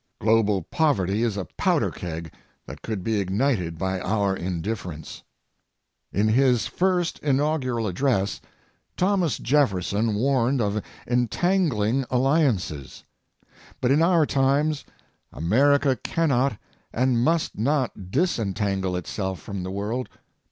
Global poverty is a powder keg that could be ignited by our indifference.In his first inaugural address, Thomas Jefferson warned of entangling alliances. But in our times, America cannot and must not disentangle itself from the world.